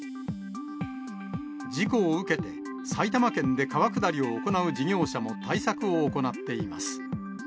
事故を受けて、埼玉県で川下りを行う事業者も対策を行っています。